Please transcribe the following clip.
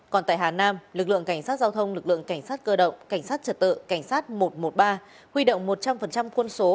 còn tại hà nam lực lượng cảnh sát giao thông lực lượng cảnh sát cơ động cảnh sát trật tự cảnh sát một trăm một mươi ba huy động một trăm linh quân số